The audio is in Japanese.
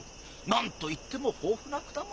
何といっても豊富な果物。